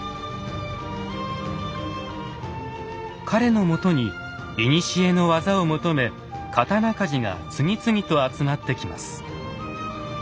彼のもとに古の技を求め刀鍛冶が次々と集まってきます。